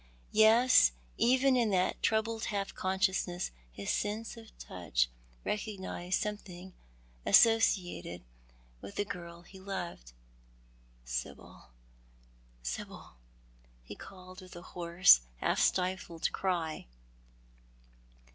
Yes, even in that troubled half consciousness his sense of touch recognised something associated with the girl he loved. " Sibyl, Sibyl !" he called, with a hoarse, half stifled cry.